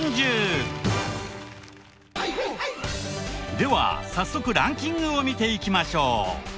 では早速ランキングを見ていきましょう。